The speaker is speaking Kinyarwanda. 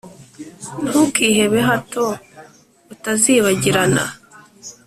ntukiheze, hato utazibagirana